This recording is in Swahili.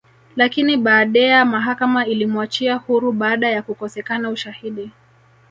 Lakini baadea mahakama ilimwachia huru baada ya kukosekana ushahidi